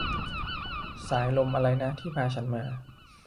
สายลมอะไรนะ ที่พาฉันมา